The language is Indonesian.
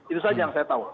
itu saja yang saya tahu